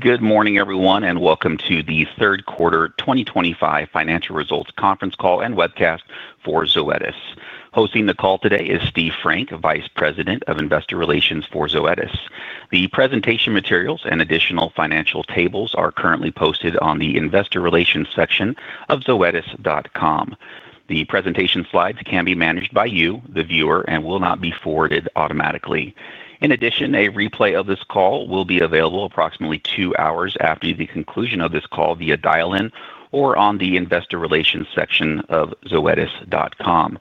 Good morning, everyone, and welcome to the third quarter 2025 financial results conference call and webcast for Zoetis. Hosting the call today is Steve Frank, Vice President of Investor Relations for Zoetis. The presentation materials and additional financial tables are currently posted on the Investor Relations section of zoetis.com. The presentation slides can be managed by you, the viewer, and will not be forwarded automatically. In addition, a replay of this call will be available approximately two hours after the conclusion of this call via dial-in or on the Investor Relations section of zoetis.com.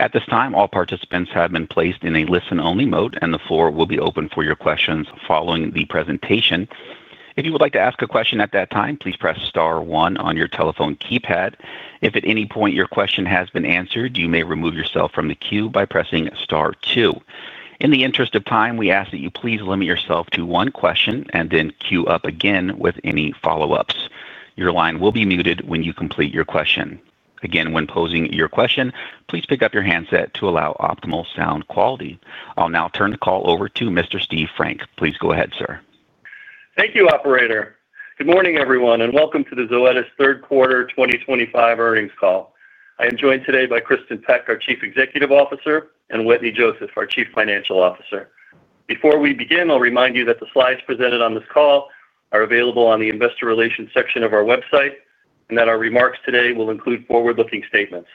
At this time, all participants have been placed in a listen-only mode, and the floor will be open for your questions following the presentation. If you would like to ask a question at that time, please press star one on your telephone keypad. If at any point your question has been answered, you may remove yourself from the queue by pressing star two. In the interest of time, we ask that you please limit yourself to one question and then queue up again with any follow-ups. Your line will be muted when you complete your question. Again, when posing your question, please pick up your handset to allow optimal sound quality. I'll now turn the call over to Mr. Steve Frank. Please go ahead, sir. Thank you, Operator. Good morning, everyone, and welcome to the Zoetis third quarter 2025 earnings call. I am joined today by Kristin Peck, our Chief Executive Officer, and Wetteny Joseph, our Chief Financial Officer. Before we begin, I'll remind you that the slides presented on this call are available on the Investor Relations section of our website and that our remarks today will include forward-looking statements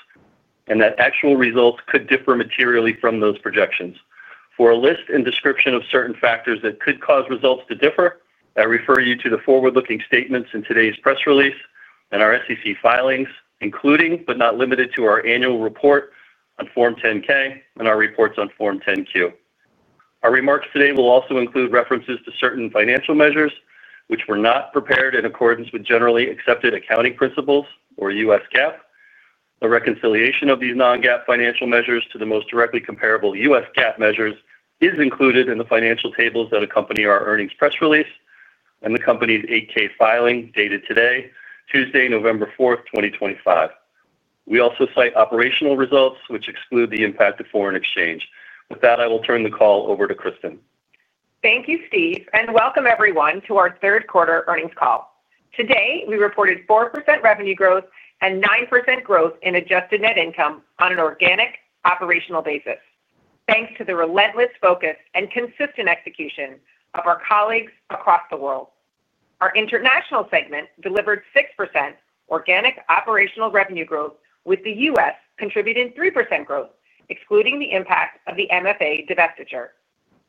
and that actual results could differ materially from those projections. For a list and description of certain factors that could cause results to differ, I refer you to the forward-looking statements in today's press release and our SEC filings, including but not limited to our annual report on Form 10-K and our reports on Form 10-Q. Our remarks today will also include references to certain financial measures which were not prepared in accordance with generally accepted accounting principles or U.S. GAAP. The reconciliation of these Non-GAAP financial measures to the most directly comparable U.S. GAAP measures is included in the financial tables that accompany our earnings press release and the company's 8-K filing dated today, Tuesday, November 4th, 2025. We also cite operational results, which exclude the impact of foreign exchange. With that, I will turn the call over to Kristin. Thank you, Steve, and welcome everyone to our third quarter earnings call. Today, we reported 4% revenue growth and 9% growth in adjusted net income on an organic operational basis, thanks to the relentless focus and consistent execution of our colleagues across the world. Our international segment delivered 6% organic operational revenue growth, with the U.S. contributing 3% growth, excluding the impact of the MFA divestiture.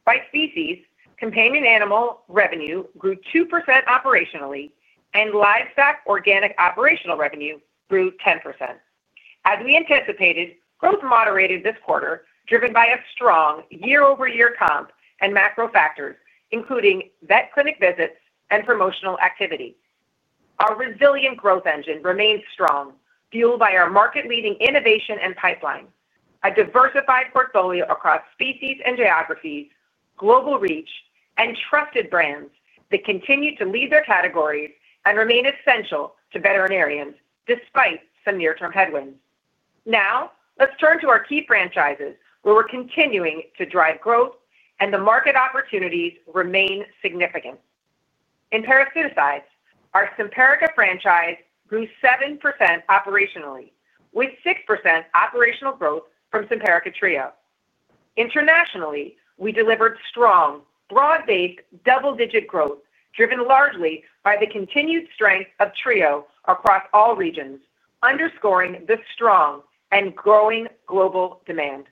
By species, companion animal revenue grew 2% operationally, and livestock organic operational revenue grew 10%. As we anticipated, growth moderated this quarter, driven by a strong year-over-year comp and macro factors, including vet clinic visits and promotional activity. Our resilient growth engine remains strong, fueled by our market-leading innovation and pipeline, a diversified portfolio across species and geographies, global reach, and trusted brands that continue to lead their categories and remain essential to veterinarians despite some near-term headwinds. Now, let's turn to our key franchises, where we're continuing to drive growth and the market opportunities remain significant. In parasiticides, our Simparica franchise grew 7% operationally, with 6% operational growth from Simparica Trio. Internationally, we delivered strong, broad-based double-digit growth, driven largely by the continued strength of Trio across all regions, underscoring the strong and growing global demand.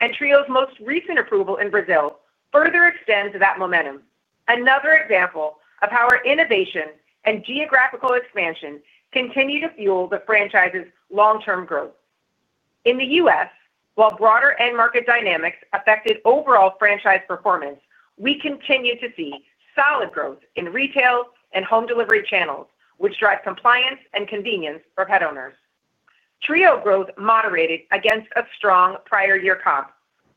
And Trio's most recent approval in Brazil further extends that momentum, another example of how our innovation and geographical expansion continue to fuel the franchise's long-term growth. In the U.S., while broader end market dynamics affected overall franchise performance, we continue to see solid growth in retail and home delivery channels, which drive compliance and convenience for pet owners. Trio growth moderated against a strong prior-year comp,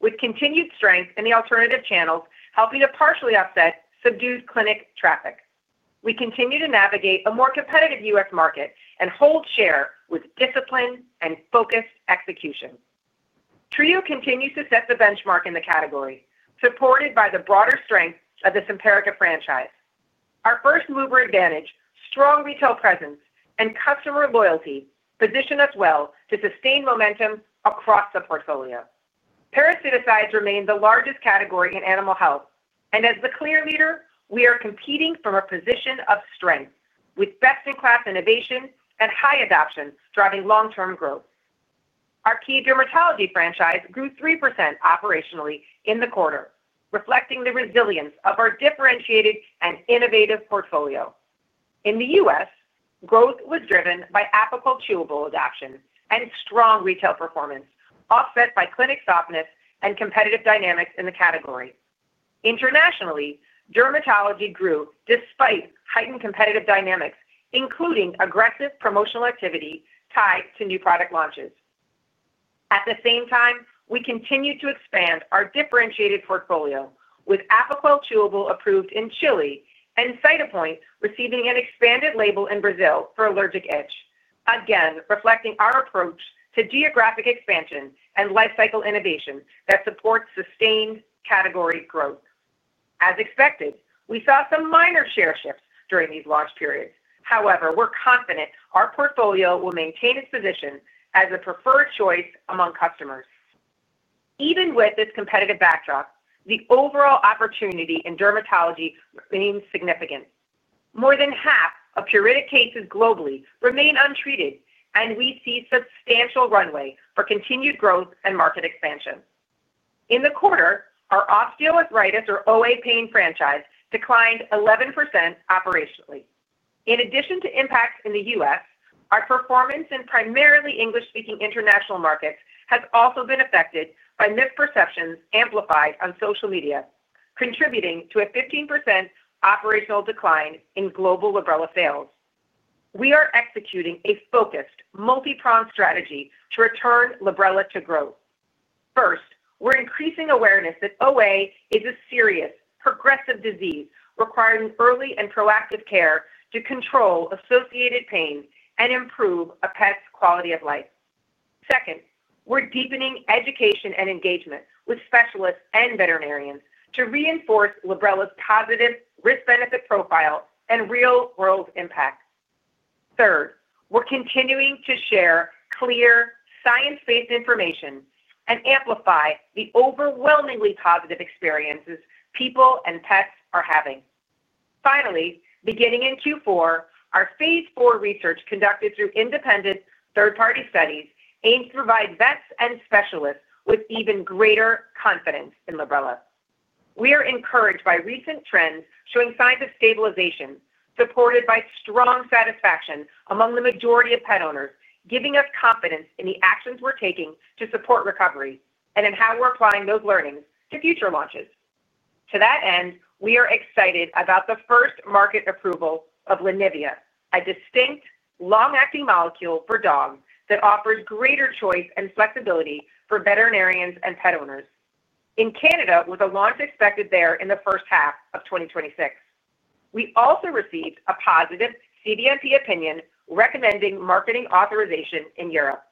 with continued strength in the alternative channels, helping to partially offset subdued clinic traffic. We continue to navigate a more competitive U.S. market and hold share with discipline and focused execution. Trio continues to set the benchmark in the category, supported by the broader strength of the Simparica franchise. Our first-mover advantage, strong retail presence, and customer loyalty position us well to sustain momentum across the portfolio. Parasiticides remain the largest category in animal health, and as the clear leader, we are competing from a position of strength, with best-in-class innovation and high adoption driving long-term growth. Our key dermatology franchise grew 3% operationally in the quarter, reflecting the resilience of our differentiated and innovative portfolio. In the U.S., growth was driven by Apoquel adoption and strong retail performance, offset by clinic softness and competitive dynamics in the category. Internationally, dermatology grew despite heightened competitive dynamics, including aggressive promotional activity tied to new product launches. At the same time, we continue to expand our differentiated portfolio, with Apoquel approved in Chile and Cytopoint receiving an expanded label in Brazil for allergic itch, again reflecting our approach to geographic expansion and life cycle innovation that supports sustained category growth. As expected, we saw some minor share shifts during these launch periods. However, we're confident our portfolio will maintain its position as a preferred choice among customers. Even with this competitive backdrop, the overall opportunity in dermatology remains significant. More than half of curated cases globally remain untreated, and we see substantial runway for continued growth and market expansion. In the quarter, our osteoarthritis or OA pain franchise declined 11% operationally. In addition to impacts in the U.S., our performance in primarily English-speaking international markets has also been affected by misperceptions amplified on social media, contributing to a 15% operational decline in global Librela sales. We are executing a focused multi-pronged strategy to return Librela to growth. First, we're increasing awareness that OA is a serious progressive disease requiring early and proactive care to control associated pain and improve a pet's quality of life. Second, we're deepening education and engagement with specialists and veterinarians to reinforce Librela's positive risk-benefit profile and real-world impact. Third, we're continuing to share clear science-based information and amplify the overwhelmingly positive experiences people and pets are having. Finally, beginning in Q4, our phase IV research conducted through independent third-party studies aims to provide vets and specialists with even greater confidence in Librela. We are encouraged by recent trends showing signs of stabilization supported by strong satisfaction among the majority of pet owners, giving us confidence in the actions we're taking to support recovery and in how we're applying those learnings to future launches. To that end, we are excited about the first market approval of Linivi, a distinct long-acting molecule for dogs that offers greater choice and flexibility for veterinarians and pet owners. In Canada, with a launch expected there in the first half of 2026, we also received a positive CDNP opinion recommending marketing authorization in Europe.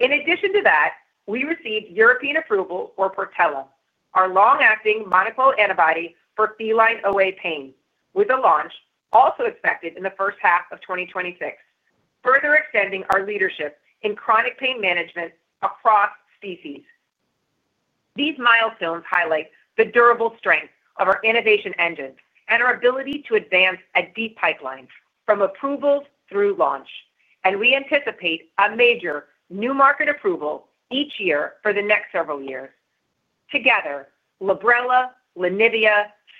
In addition to that, we received European approval for Portela, our long-acting monoclonal antibody for feline OA pain, with a launch also expected in the first half of 2026, further extending our leadership in chronic pain management across species. These milestones highlight the durable strength of our innovation engine and our ability to advance a deep pipeline from approvals through launch, and we anticipate a major new market approval each year for the next several years. Together, Librela, Linivi,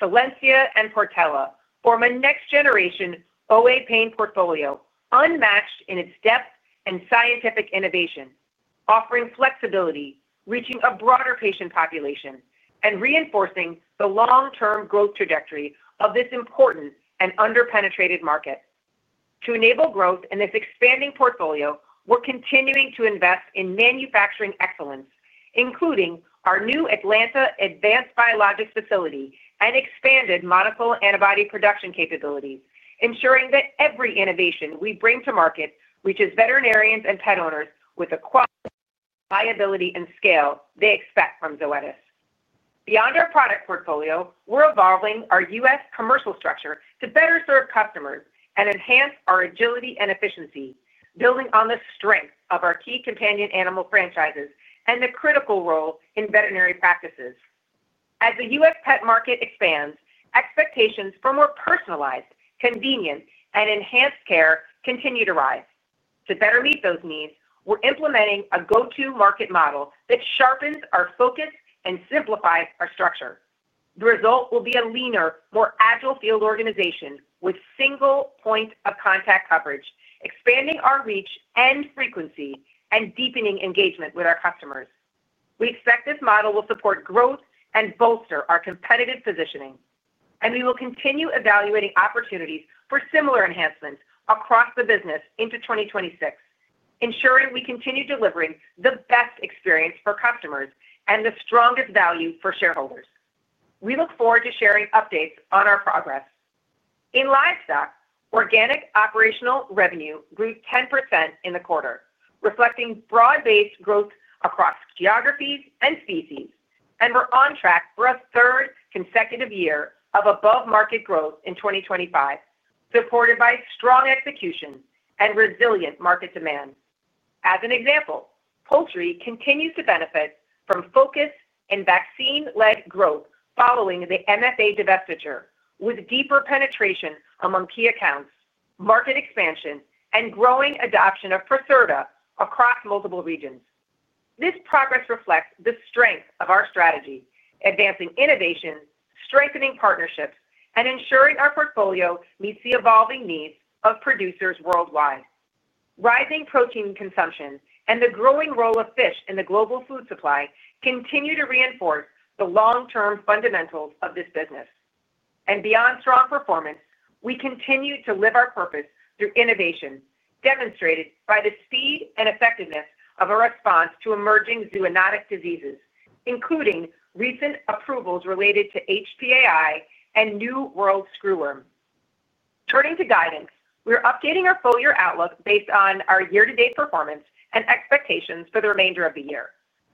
Solensia, and Portela form a next-generation OA pain portfolio unmatched in its depth and scientific innovation, offering flexibility, reaching a broader patient population, and reinforcing the long-term growth trajectory of this important and under-penetrated market. To enable growth in this expanding portfolio, we're continuing to invest in manufacturing excellence, including our new Atlanta Advanced Biologics facility and expanded monoclonal antibody production capabilities, ensuring that every innovation we bring to market reaches veterinarians and pet owners with the quality and scale they expect from Zoetis. Beyond our product portfolio, we're evolving our U.S. commercial structure to better serve customers and enhance our agility and efficiency, building on the strength of our key companion animal franchises and the critical role in veterinary practices. As the U.S. pet market expands, expectations for more personalized, convenient, and enhanced care continue to rise. To better meet those needs, we're implementing a go-to-market model that sharpens our focus and simplifies our structure. The result will be a leaner, more agile field organization with single point of contact coverage, expanding our reach and frequency, and deepening engagement with our customers. We expect this model will support growth and bolster our competitive positioning, and we will continue evaluating opportunities for similar enhancements across the business into 2026, ensuring we continue delivering the best experience for customers and the strongest value for shareholders. We look forward to sharing updates on our progress. In livestock, organic operational revenue grew 10% in the quarter, reflecting broad-based growth across geographies and species, and we're on track for a third consecutive year of above-market growth in 2025, supported by strong execution and resilient market demand. As an example, poultry continues to benefit from focus and vaccine-led growth following the MFA divestiture, with deeper penetration among key accounts, market expansion, and growing adoption of Procerta across multiple regions. This progress reflects the strength of our strategy, advancing innovation, strengthening partnerships, and ensuring our portfolio meets the evolving needs of producers worldwide. Rising protein consumption and the growing role of fish in the global food supply continue to reinforce the long-term fundamentals of this business, and beyond strong performance, we continue to live our purpose through innovation, demonstrated by the speed and effectiveness of our response to emerging zoonotic diseases, including recent approvals related to HPAI and new world screw worm. Turning to guidance, we're updating our full-year outlook based on our year-to-date performance and expectations for the remainder of the year.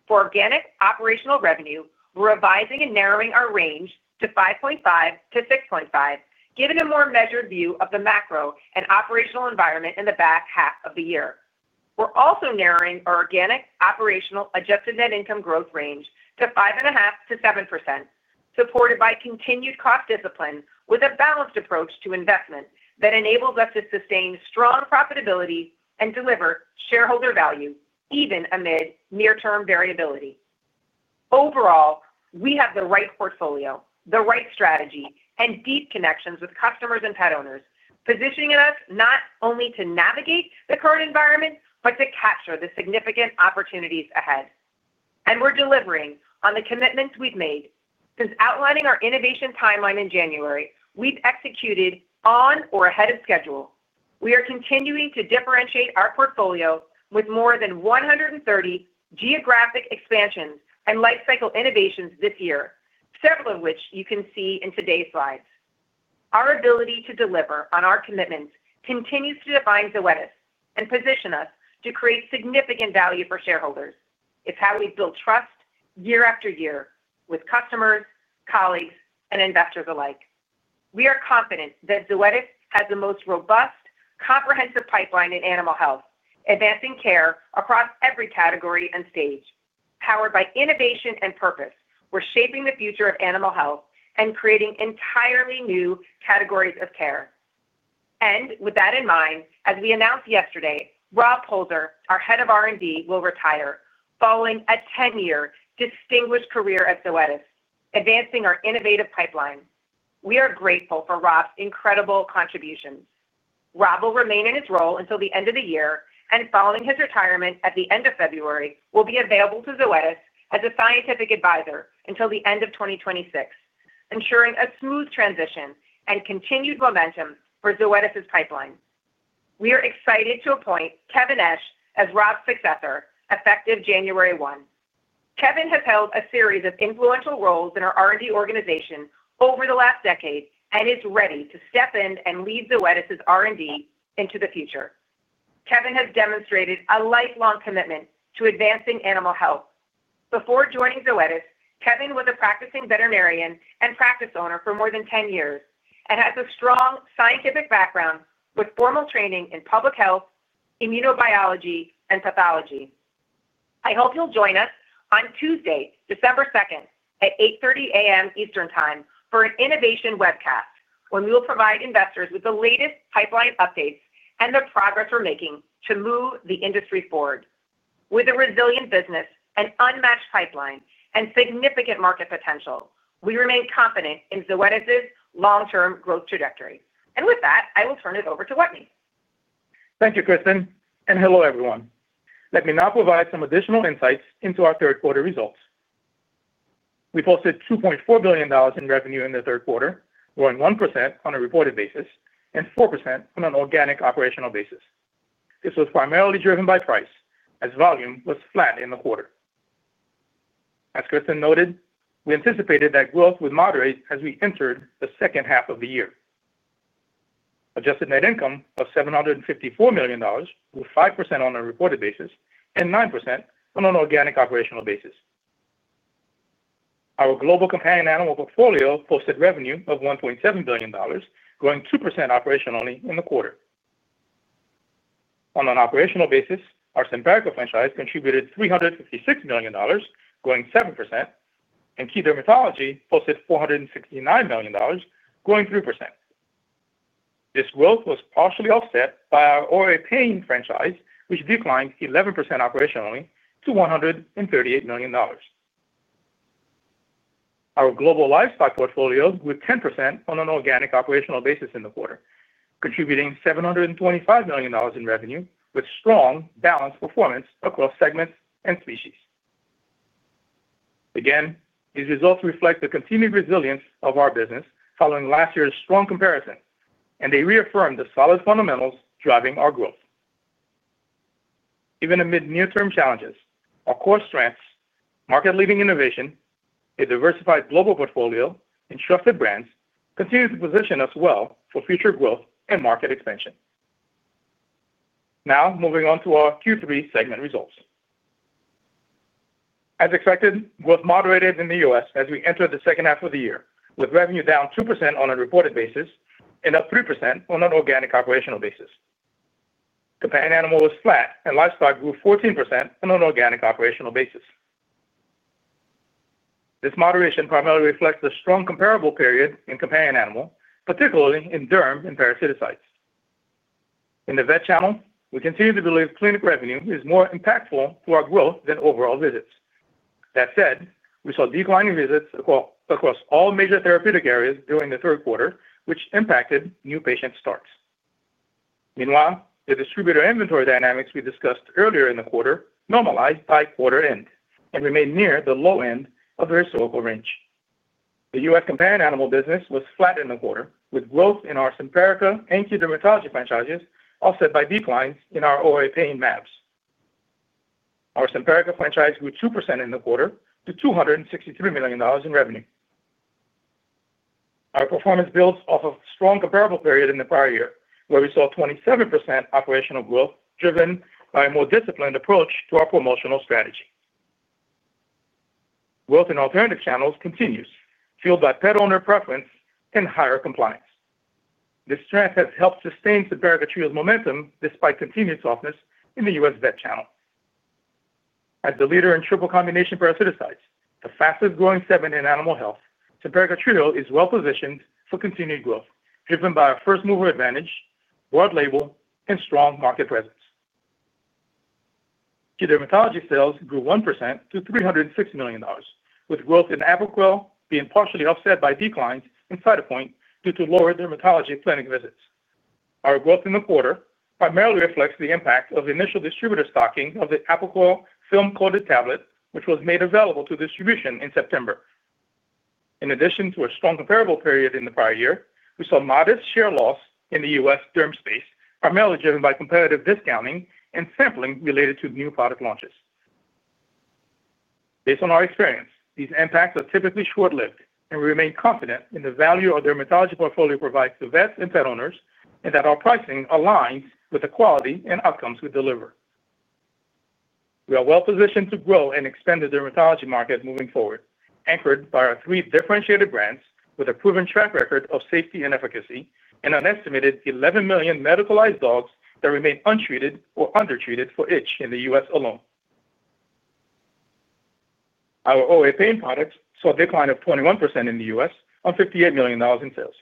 For organic operational revenue, we're revising and narrowing our range to 5.5%-6.5%, giving a more measured view of the macro and operational environment in the back half of the year. We're also narrowing our organic operational adjusted net income growth range to 5.5%-7%, supported by continued cost discipline with a balanced approach to investment that enables us to sustain strong profitability and deliver shareholder value even amid near-term variability. Overall, we have the right portfolio, the right strategy, and deep connections with customers and pet owners, positioning us not only to navigate the current environment but to capture the significant opportunities ahead, and we're delivering on the commitments we've made. Since outlining our innovation timeline in January, we've executed on or ahead of schedule. We are continuing to differentiate our portfolio with more than 130 geographic expansions and life cycle innovations this year, several of which you can see in today's slides. Our ability to deliver on our commitments continues to define Zoetis and position us to create significant value for shareholders. It's how we build trust year after year with customers, colleagues, and investors alike. We are confident that Zoetis has the most robust, comprehensive pipeline in animal health, advancing care across every category and stage. Powered by innovation and purpose, we're shaping the future of animal health and creating entirely new categories of care. And with that in mind, as we announced yesterday, Rob Polzer, our head of R&D, will retire following a 10-year distinguished career at Zoetis, advancing our innovative pipeline. We are grateful for Rob's incredible contributions. Rob will remain in his role until the end of the year, and following his retirement at the end of February, he will be available to Zoetis as a scientific advisor until the end of 2026, ensuring a smooth transition and continued momentum for Zoetis's pipeline. We are excited to appoint Kevin Esch as Rob's successor, effective January 1. Kevin has held a series of influential roles in our R&D organization over the last decade and is ready to step in and lead Zoetis's R&D into the future. Kevin has demonstrated a lifelong commitment to advancing animal health. Before joining Zoetis, Kevin was a practicing veterinarian and practice owner for more than 10 years and has a strong scientific background with formal training in public health, immunobiology, and pathology. I hope you'll join us on Tuesday, December 2nd, at 8:30 A.M. Eastern Time for an innovation webcast, where we will provide investors with the latest pipeline updates and the progress we're making to move the industry forward. With a resilient business, an unmatched pipeline, and significant market potential, we remain confident in Zoetis's long-term growth trajectory. And with that, I will turn it over to Wetteny. Thank you, Kristin. And hello, everyone. Let me now provide some additional insights into our third-quarter results. We posted $2.4 billion in revenue in the third quarter, growing 1% on a reported basis and 4% on an organic operational basis. This was primarily driven by price, as volume was flat in the quarter. As Kristin noted, we anticipated that growth would moderate as we entered the second half of the year. Adjusted net income of $754 million, with 5% on a reported basis and 9% on an organic operational basis. Our global companion animal portfolio posted revenue of $1.7 billion, growing 2% operationally in the quarter. On an operational basis, our parasiticide franchise contributed $356 million, growing 7%, and key dermatology posted $469 million, growing 3%. This growth was partially offset by our OA pain franchise, which declined 11% operationally to $138 million. Our global livestock portfolio grew 10% on an organic operational basis in the quarter, contributing $725 million in revenue with strong balanced performance across segments and species. Again, these results reflect the continued resilience of our business following last year's strong comparison, and they reaffirm the solid fundamentals driving our growth. Even amid near-term challenges, our core strengths, market-leading innovation, a diversified global portfolio, and trusted brands continue to position us well for future growth and market expansion. Now, moving on to our Q3 segment results. As expected, growth moderated in the U.S. as we entered the second half of the year, with revenue down 2% on a reported basis and up 3% on an organic operational basis. Companion animal was flat, and livestock grew 14% on an organic operational basis. This moderation primarily reflects the strong comparable period in companion animal, particularly in derm and parasiticides. In the vet channel, we continue to believe clinic revenue is more impactful to our growth than overall visits. That said, we saw declining visits across all major therapeutic areas during the third quarter, which impacted new patient starts. Meanwhile, the distributor inventory dynamics we discussed earlier in the quarter normalized by quarter end and remained near the low end of the historical range. The U.S. companion animal business was flat in the quarter, with growth in our Simparica and key dermatology franchises offset by declines in our OA pain meds. Our Simparica franchise grew 2% in the quarter to $263 million in revenue. Our performance builds off of a strong comparable period in the prior year, where we saw 27% operational growth driven by a more disciplined approach to our promotional strategy. Growth in alternative channels continues, fueled by pet owner preference and higher compliance. This strength has helped sustain Simparica Trio's momentum despite continued softness in the U.S. vet channel. As the leader in triple combination parasiticides, the fastest-growing segment in animal health, Simparica Trio is well-positioned for continued growth, driven by our first-mover advantage, broad label, and strong market presence. Key dermatology sales grew 1% to $306 million, with growth in Apoquel being partially offset by declines in Cytopoint due to lower dermatology clinic visits. Our growth in the quarter primarily reflects the impact of the initial distributor stocking of the Apoquel film-coated tablet, which was made available to distribution in September. In addition to a strong comparable period in the prior year, we saw modest share loss in the U.S. derm space, primarily driven by competitive discounting and sampling related to new product launches. Based on our experience, these impacts are typically short-lived, and we remain confident in the value our dermatology portfolio provides to vets and pet owners and that our pricing aligns with the quality and outcomes we deliver. We are well-positioned to grow and expand the dermatology market moving forward, anchored by our three differentiated brands with a proven track record of safety and efficacy and an estimated 11 million medicalized dogs that remain untreated or undertreated for itch in the U.S. alone. Our OA pain products saw a decline of 21% in the U.S. on $58 million in sales.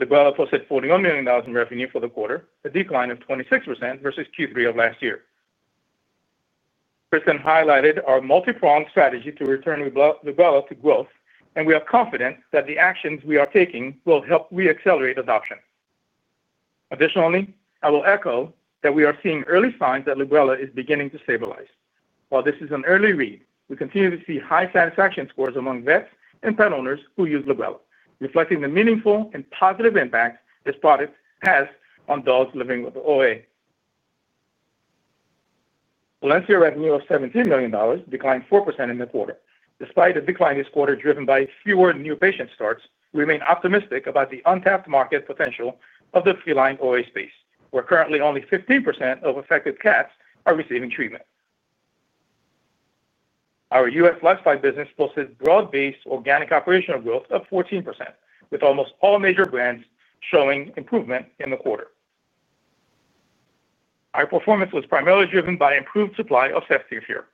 Librela posted $41 million in revenue for the quarter, a decline of 26% versus Q3 of last year. Kristin highlighted our multi-pronged strategy to return Librela to growth, and we are confident that the actions we are taking will help re-accelerate adoption. Additionally, I will echo that we are seeing early signs that Librela is beginning to stabilize. While this is an early read, we continue to see high satisfaction scores among vets and pet owners who use Librela, reflecting the meaningful and positive impact this product has on dogs living with OA. Solensia revenue of $17 million declined 4% in the quarter. Despite a decline this quarter driven by fewer new patient starts, we remain optimistic about the untapped market potential of the feline OA space, where currently only 15% of affected cats are receiving treatment. Our U.S. livestock business posted broad-based organic operational growth of 14%, with almost all major brands showing improvement in the quarter. Our performance was primarily driven by improved supply of Ceftiofur.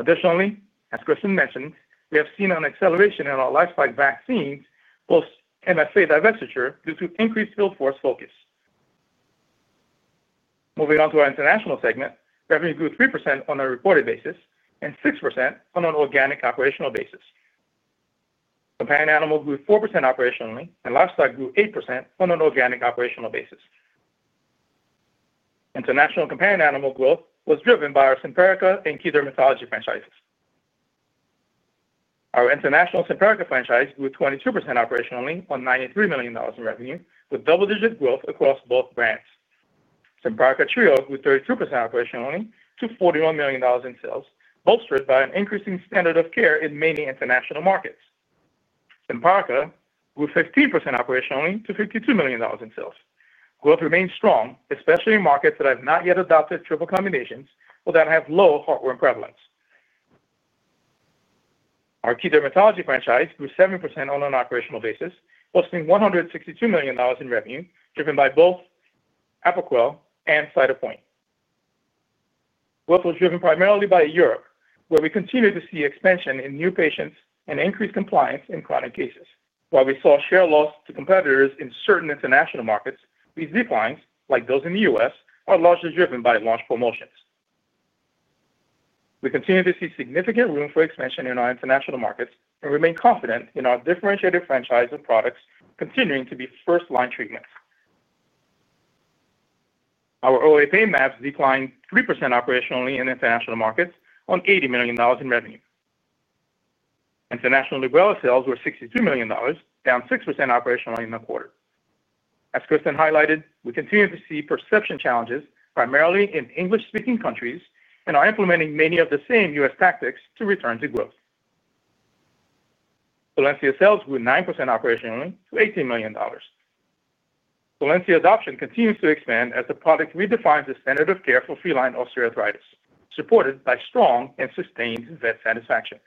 Additionally, as Kristin mentioned, we have seen an acceleration in our livestock vaccine post-MFA divestiture due to increased field force focus. Moving on to our international segment, revenue grew 3% on a reported basis and 6% on an organic operational basis. Companion animal grew 4% operationally, and livestock grew 8% on an organic operational basis. International companion animal growth was driven by our Simparica and core dermatology franchises. Our international Simparica franchise grew 22% operationally on $93 million in revenue, with double-digit growth across both brands. Simparica Trio grew 32% operationally to $41 million in sales, bolstered by an increasing standard of care in many international markets. Simparica grew 15% operationally to $52 million in sales. Growth remained strong, especially in markets that have not yet adopted triple combinations or that have low heartworm prevalence. Our core dermatology franchise grew 7% on an operational basis, posting $162 million in revenue, driven by both Apoquel and Cytopoint. Growth was driven primarily by Europe, where we continue to see expansion in new patients and increased compliance in chronic cases. While we saw share loss to competitors in certain international markets, these declines, like those in the U.S., are largely driven by launch promotions. We continue to see significant room for expansion in our international markets and remain confident in our differentiated franchise and products continuing to be first-line treatments. Our OA pain franchise declined 3% operationally in international markets on $80 million in revenue. International Librela sales were $62 million, down 6% operationally in the quarter. As Kristin highlighted, we continue to see perception challenges, primarily in English-speaking countries, and are implementing many of the same U.S. tactics to return to growth. Solensia sales grew 9% operationally to $18 million. Solensia adoption continues to expand as the product redefines the standard of care for feline osteoarthritis, supported by strong and sustained vet satisfaction.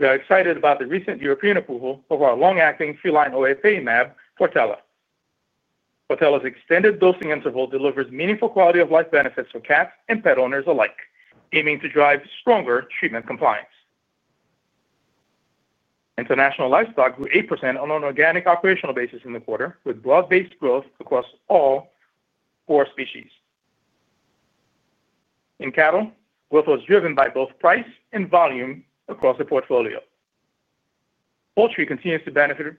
We are excited about the recent European approval of our long-acting feline OA pain franchise, Portela. Portela's extended dosing interval delivers meaningful quality-of-life benefits for cats and pet owners alike, aiming to drive stronger treatment compliance. International livestock grew 8% on an organic operational basis in the quarter, with broad-based growth across all four species. In cattle, growth was driven by both price and volume across the portfolio. Poultry continues to benefit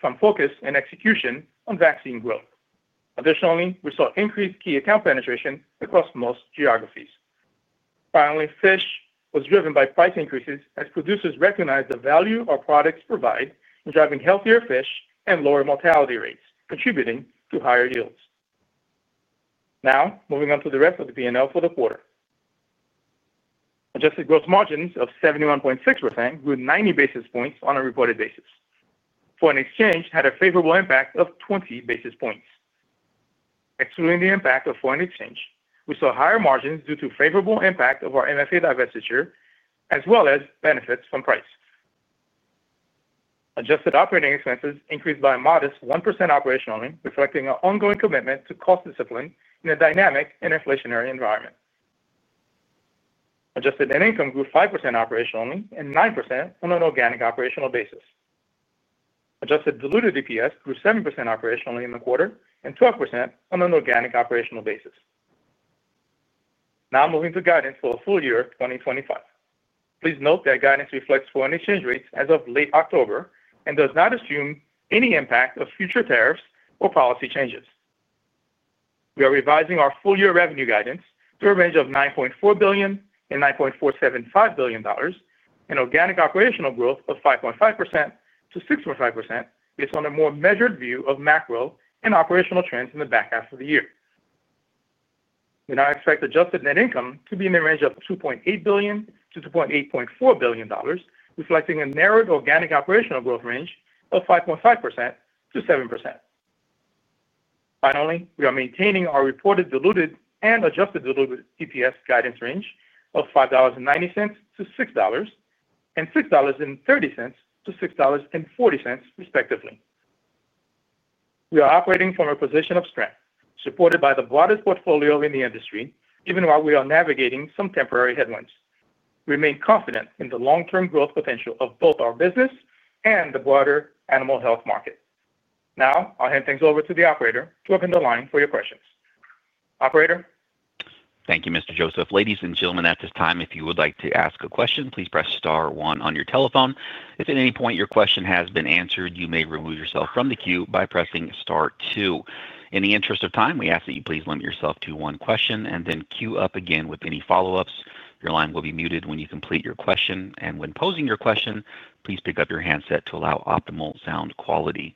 from focus and execution on vaccine growth. Additionally, we saw increased key account penetration across most geographies. Finally, fish was driven by price increases as producers recognized the value our products provide in driving healthier fish and lower mortality rates, contributing to higher yields. Now, moving on to the rest of the P&L for the quarter. Adjusted gross margins of 71.6% grew 90 basis points on a reported basis. Foreign exchange had a favorable impact of 20 basis points. Excluding the impact of foreign exchange, we saw higher margins due to favorable impact of our MFA divestiture, as well as benefits from price. Adjusted operating expenses increased by a modest 1% operationally, reflecting our ongoing commitment to cost discipline in a dynamic and inflationary environment. Adjusted net income grew 5% operationally and 9% on an organic operational basis. Adjusted diluted EPS grew 7% operationally in the quarter and 12% on an organic operational basis. Now, moving to guidance for the full year, 2025. Please note that guidance reflects foreign exchange rates as of late October and does not assume any impact of future tariffs or policy changes. We are revising our full-year revenue guidance to a range of $9.4 billion-$9.475 billion, and organic operational growth of 5.5%-6.5% based on a more measured view of macro and operational trends in the back half of the year. We now expect adjusted net income to be in the range of $2.8 billion-$2.84 billion, reflecting a narrowed organic operational growth range of 5.5%-7%. Finally, we are maintaining our reported diluted and adjusted diluted EPS guidance range of $5.90-$6.00 and $6.30-$6.40, respectively. We are operating from a position of strength, supported by the broadest portfolio in the industry, even while we are navigating some temporary headwinds. We remain confident in the long-term growth potential of both our business and the broader animal health market. Now, I'll hand things over to the operator to open the line for your questions. Operator. Thank you, Mr. Joseph. Ladies and gentlemen, at this time, if you would like to ask a question, please press Star one on your telephone. If at any point your question has been answered, you may remove yourself from the queue by pressing Star two. In the interest of time, we ask that you please limit yourself to one question and then queue up again with any follow-ups. Your line will be muted when you complete your question. And when posing your question, please pick up your handset to allow optimal sound quality.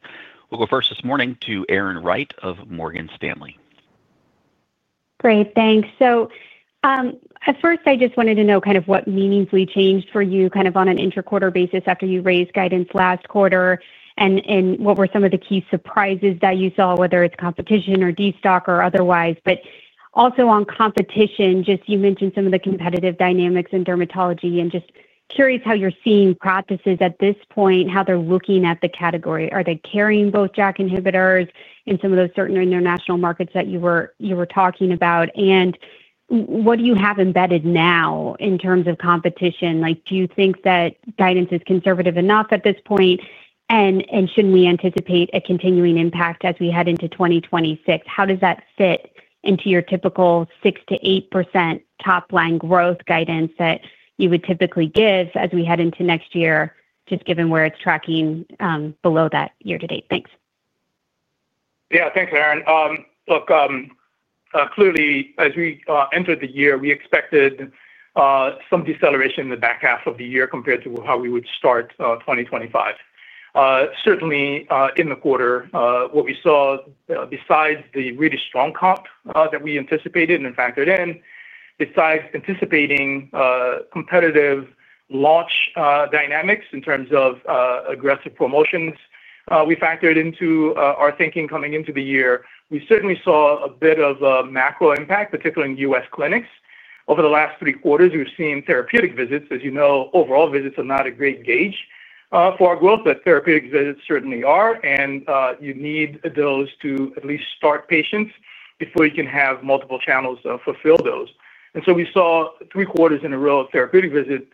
We'll go first this morning to Erin Wright of Morgan Stanley. Great. Thanks. So. At first, I just wanted to know kind of what meaningfully changed for you kind of on an interquarter basis after you raised guidance last quarter and what were some of the key surprises that you saw, whether it's competition or destock or otherwise. But also on competition, just you mentioned some of the competitive dynamics in dermatology. I'm just curious how you're seeing practices at this point, how they're looking at the category. Are they carrying both JAK inhibitors in some of those certain international markets that you were talking about? And what do you have embedded now in terms of competition? Do you think that guidance is conservative enough at this point? And should we anticipate a continuing impact as we head into 2026? How does that fit into your typical 6%-8% top-line growth guidance that you would typically give as we head into next year, just given where it's tracking below that year-to-date? Thanks. Yeah. Thanks, Erin. Look. Clearly, as we entered the year, we expected some deceleration in the back half of the year compared to how we would start 2025. Certainly, in the quarter, what we saw besides the really strong comp that we anticipated and factored in, besides anticipating competitive launch dynamics in terms of aggressive promotions, we factored into our thinking coming into the year, we certainly saw a bit of a macro impact, particularly in U.S. clinics. Over the last three quarters, we've seen therapeutic visits. As you know, overall visits are not a great gauge for our growth, but therapeutic visits certainly are. And you need those to at least start patients before you can have multiple channels fulfill those. And so we saw three quarters in a row of therapeutic visit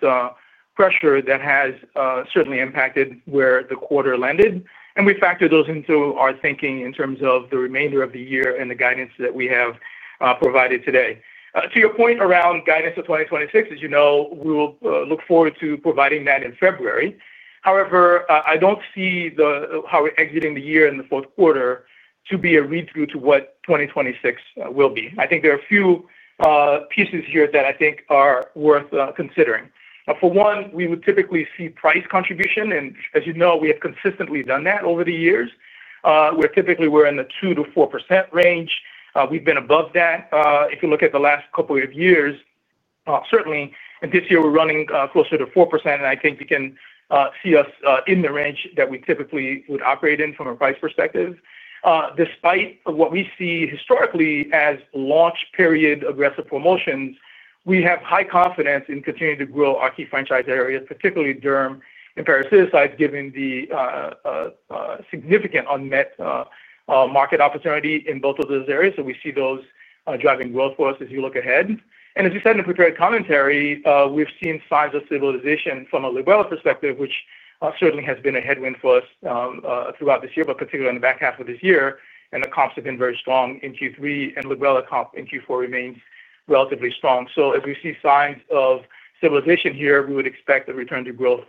pressure that has certainly impacted where the quarter landed. And we factored those into our thinking in terms of the remainder of the year and the guidance that we have provided today. To your point around guidance for 2026, as you know, we will look forward to providing that in February. However, I don't see how we're exiting the year in the fourth quarter to be a read-through to what 2026 will be. I think there are a few pieces here that I think are worth considering. For one, we would typically see price contribution. And as you know, we have consistently done that over the years. Typically, we're in the 2%-4% range. We've been above that if you look at the last couple of years, certainly. And this year, we're running closer to 4%. And I think you can see us in the range that we typically would operate in from a price perspective. Despite what we see historically as launch-period aggressive promotions, we have high confidence in continuing to grow our key franchise areas, particularly derm and parasite given the significant unmet market opportunity in both of those areas. So we see those driving growth for us as you look ahead. And as you said in the prepared commentary, we've seen signs of stabilization from a Librela perspective, which certainly has been a headwind for us throughout this year, but particularly in the back half of this year. And the comps have been very strong in Q3, and Librela comp in Q4 remains relatively strong. So as we see signs of stabilization here, we would expect a return to growth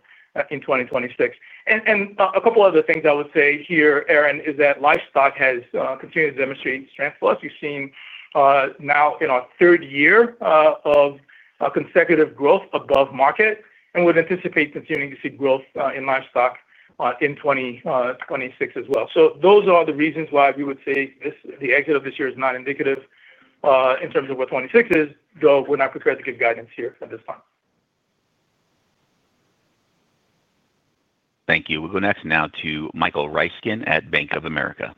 in 2026. And a couple of other things I would say here, Erin, is that livestock has continued to demonstrate strength for us. We've seen now in our third year of consecutive growth above market, and we would anticipate continuing to see growth in livestock in 2026 as well. So those are the reasons why we would say the exit of this year is not indicative in terms of what 2026 is, though we're not prepared to give guidance here at this time. Thank you. We'll go next now to Michael Riskin at Bank of America.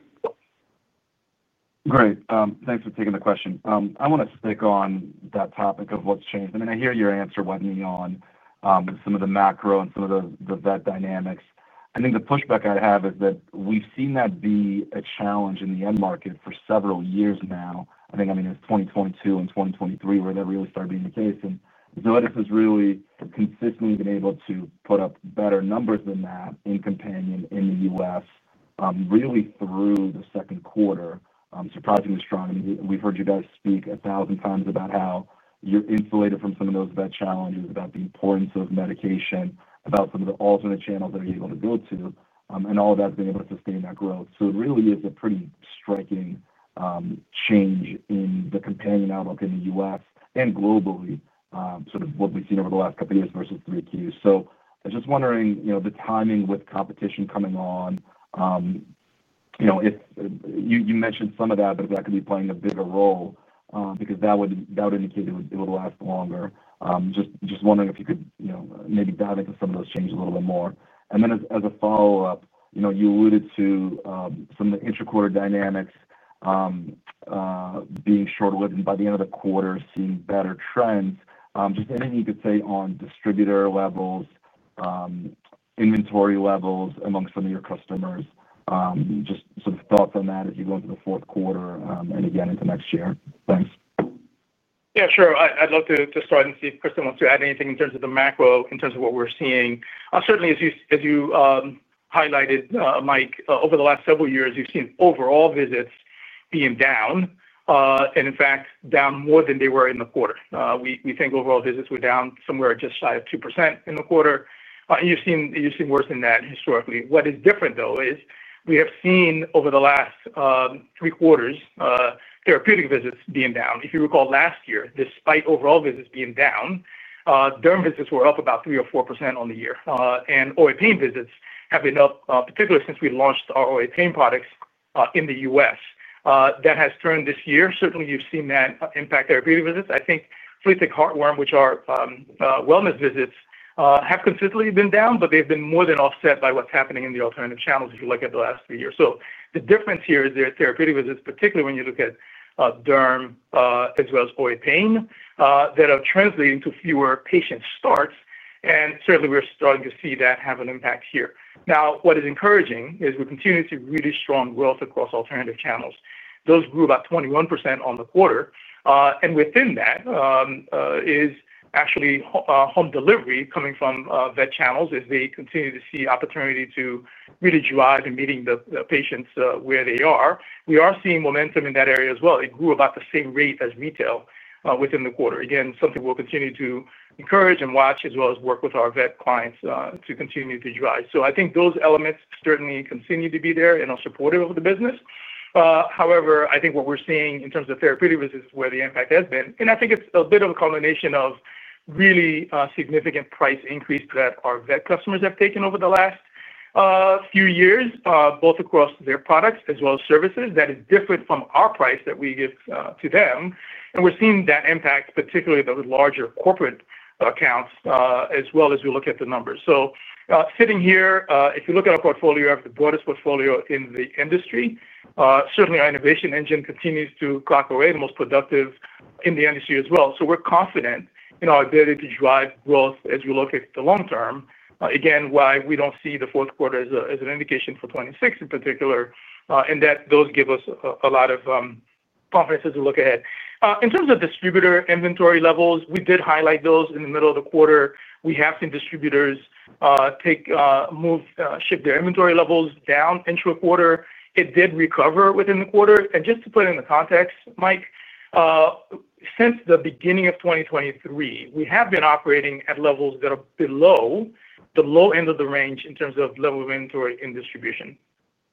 Great. Thanks for taking the question. I want to stick on that topic of what's changed. I mean, I hear your answer. We're on some of the macro and some of the vet dynamics. I think the pushback I'd have is that we've seen that be a challenge in the end market for several years now. I think, I mean, it's 2022 and 2023 where that really started being the case. And Zoetis has really consistently been able to put up better numbers than that in companion in the U.S., really through the second quarter, surprisingly strong. I mean, we've heard you guys speak a thousand times about how you're insulated from some of those vet challenges, about the importance of medication, about some of the alternate channels that are able to go to, and all of that being able to sustain that growth. So it really is a pretty striking change in the companion outlook in the U.S. and globally, sort of what we've seen over the last couple of years versus three Qs. So I'm just wondering the timing with competition coming on. You mentioned some of that, but if that could be playing a bigger role, because that would indicate it would last longer. Just wondering if you could maybe dive into some of those changes a little bit more. And then as a follow-up, you alluded to some of the interquarter dynamics being short-lived and by the end of the quarter seeing better trends. Just anything you could say on distributor levels. Inventory levels among some of your customers. Just sort of thoughts on that as you go into the fourth quarter and again into next year. Thanks. Yeah, sure. I'd love to start and see if Kristin wants to add anything in terms of the macro, in terms of what we're seeing. Certainly, as you highlighted, Mike, over the last several years, you've seen overall visits being down. And in fact, down more than they were in the quarter. We think overall visits were down somewhere just shy of 2% in the quarter. And you've seen worse than that historically. What is different, though, is we have seen over the last three quarters therapeutic visits being down. If you recall last year, despite overall visits being down. Derm visits were up about 3 or 4% on the year. And OA pain visits have been up, particularly since we launched our OA pain products in the U.S. That has turned this year. Certainly, you've seen that impact therapeutic visits. I think flea, tick, heartworm, which are wellness visits, have consistently been down, but they've been more than offset by what's happening in the alternative channels if you look at the last three years. So the difference here is therapeutic visits, particularly when you look at derm as well as OA pain, that are translating to fewer patient starts. And certainly, we're starting to see that have an impact here. Now, what is encouraging is we continue to see really strong growth across alternative channels. Those grew about 21% on the quarter. And within that is actually home delivery coming from vet channels as they continue to see opportunity to really drive and meeting the patients where they are. We are seeing momentum in that area as well. It grew about the same rate as retail within the quarter. Again, something we'll continue to encourage and watch as well as work with our vet clients to continue to drive. So I think those elements certainly continue to be there and are supportive of the business. However, I think what we're seeing in terms of therapeutic visits is where the impact has been. And I think it's a bit of a combination of really significant price increase that our vet customers have taken over the last few years, both across their products as well as services that is different from our price that we give to them. And we're seeing that impact, particularly the larger corporate accounts, as well as we look at the numbers. So sitting here, if you look at our portfolio, we have the broadest portfolio in the industry. Certainly, our innovation engine continues to clock away the most productive in the industry as well. So we're confident in our ability to drive growth as we look at the long term. Again, why we don't see the fourth quarter as an indication for 2026 in particular. And that those give us a lot of confidence as we look ahead. In terms of distributor inventory levels, we did highlight those in the middle of the quarter. We have seen distributors shift their inventory levels down in the quarter. It did recover within the quarter. And just to put it in the context, Mike. Since the beginning of 2023, we have been operating at levels that are below the low end of the range in terms of level of inventory in distribution.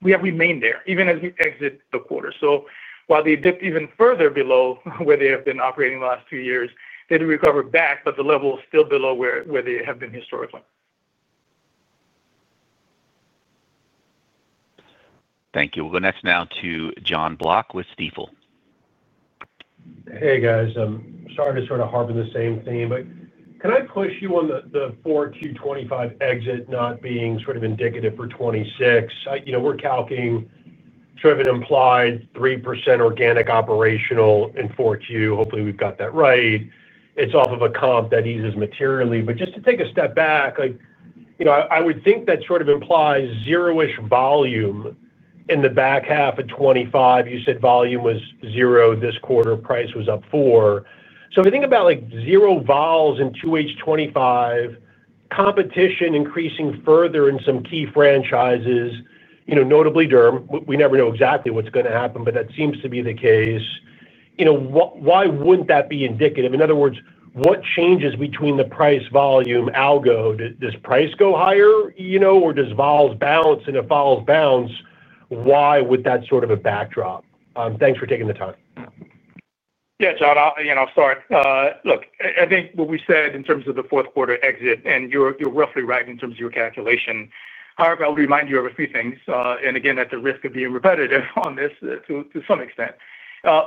We have remained there even as we exit the quarter. So while they dipped even further below where they have been operating the last two years, they did recover back, but the level is still below where they have been historically. Thank you. We'll go next now to Jon Block with Stifel. Hey, guys. I'm starting to sort of harp on the same theme. But can I push you on the 4Q 2025 exit not being sort of indicative for 2026? We're calculating sort of an implied 3% organic operational in 4Q. Hopefully, we've got that right. It's off of a comp that eases materially. But just to take a step back. I would think that sort of implies zero-ish volume in the back half of 2025. You said volume was zero this quarter. Price was up four. So if you think about zero vols in 2H 2025. Competition increasing further in some key franchises, notably derm, we never know exactly what's going to happen, but that seems to be the case. Why wouldn't that be indicative? In other words, what changes between the price, volume, algo? Does price go higher, or does vols bounce? And if vols bounce, why with that sort of a backdrop? Thanks for taking the time. Yeah, Jon, I'll start. Look, I think what we said in terms of the fourth quarter exit, and you're roughly right in terms of your calculation. However, I'll remind you of a few things. And again, at the risk of being repetitive on this to some extent,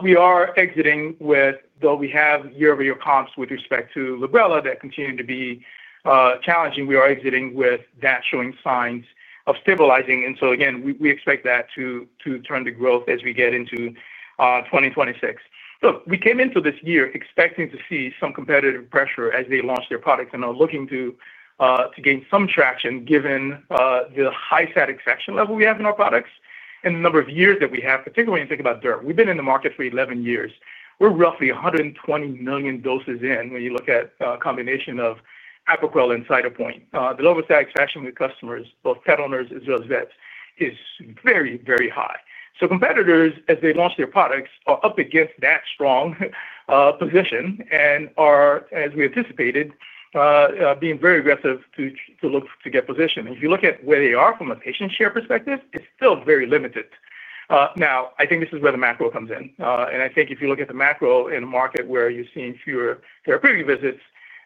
we are exiting with, though we have year-over-year comps with respect to Librela that continue to be challenging, we are exiting with that showing signs of stabilizing. And so again, we expect that to turn to growth as we get into 2026. Look, we came into this year expecting to see some competitive pressure as they launch their products and are looking to gain some traction given the high satisfaction level we have in our products and the number of years that we have, particularly when you think about derm. We've been in the market for 11 years. We're roughly 120 million doses in when you look at a combination of Apoquel and Cytopoint. The level of satisfaction with customers, both pet owners as well as vets, is very, very high. So competitors, as they launch their products, are up against that strong position and are, as we anticipated, being very aggressive to look to get position. And if you look at where they are from a patient share perspective, it's still very limited. Now, I think this is where the macro comes in. And I think if you look at the macro in a market where you're seeing fewer therapeutic visits,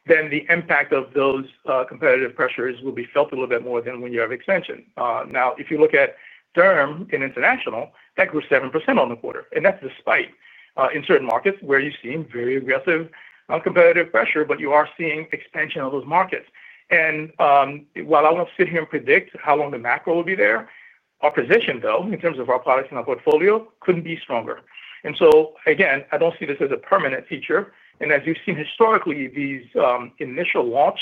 then the impact of those competitive pressures will be felt a little bit more than when you have extension. Now, if you look at derm in international, that grew 7% on the quarter. And that's despite in certain markets where you've seen very aggressive competitive pressure, but you are seeing expansion of those markets. And while I won't sit here and predict how long the macro will be there, our position, though, in terms of our products and our portfolio, couldn't be stronger. And so, again, I don't see this as a permanent feature. And as you've seen historically, these initial launch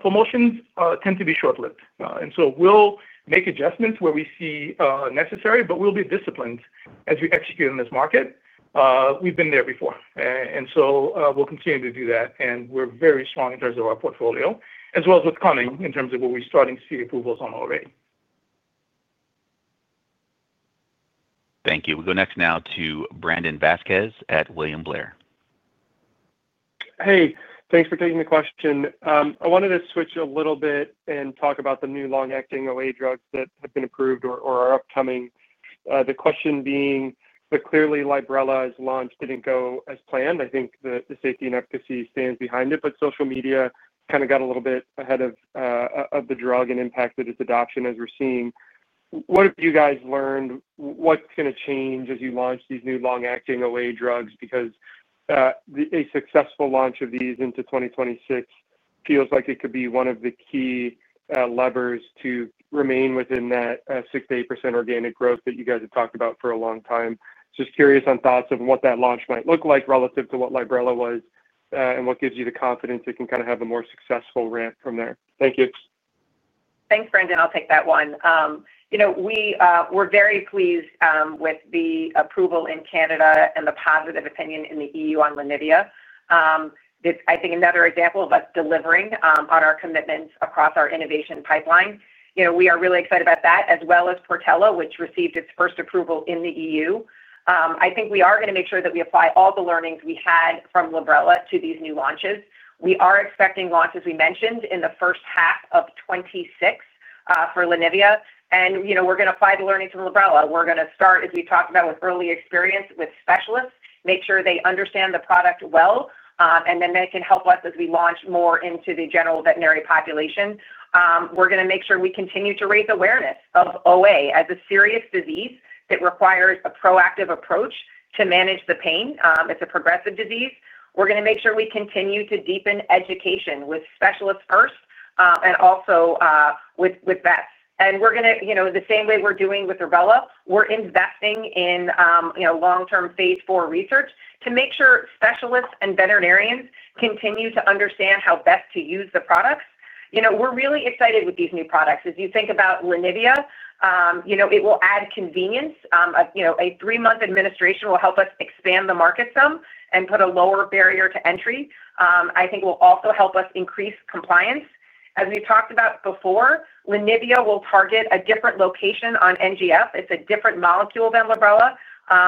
promotions tend to be short-lived. And so we'll make adjustments where we see necessary, but we'll be disciplined as we execute in this market. We've been there before. And so we'll continue to do that. And we're very strong in terms of our portfolio, as well as what's coming in terms of what we're starting to see approvals on already. Thank you. We'll go next now to Brandon Vazquez at William Blair. Hey, thanks for taking the question. I wanted to switch a little bit and talk about the new long-acting OA drugs that have been approved or are upcoming. The question being that clearly Librela's launch didn't go as planned. I think the safety and efficacy stands behind it, but social media kind of got a little bit ahead of the drug and impacted its adoption as we're seeing. What have you guys learned? What's going to change as you launch these new long-acting OA drugs? Because a successful launch of these into 2026 feels like it could be one of the key levers to remain within that 6%-8% organic growth that you guys have talked about for a long time. Just curious on thoughts of what that launch might look like relative to what Librela was and what gives you the confidence it can kind of have a more successful ramp from there. Thank you. Thanks, Brandon. I'll take that one. We were very pleased with the approval in Canada and the positive opinion in the E.U. on Linivi. It's, I think, another example of us delivering on our commitments across our innovation pipeline. We are really excited about that, as well as Portela, which received its first approval in the E.U. I think we are going to make sure that we apply all the learnings we had from Librela to these new launches. We are expecting launches, as we mentioned, in the first half of 2026 for Linivi. And we're going to apply the learnings from Librela. We're going to start, as we talked about, with early experience with specialists, make sure they understand the product well, and then they can help us as we launch more into the general veterinary population. We're going to make sure we continue to raise awareness of OA as a serious disease that requires a proactive approach to manage the pain. It's a progressive disease. We're going to make sure we continue to deepen education with specialists first and also with vets. And we're going to, the same way we're doing with Librela, we're investing in long-term phase IV research to make sure specialists and veterinarians continue to understand how best to use the products. We're really excited with these new products. As you think about Linivi, it will add convenience. A three-month administration will help us expand the market some and put a lower barrier to entry. I think it will also help us increase compliance. As we've talked about before, Linivi will target a different location on NGF. It's a different molecule than Librela.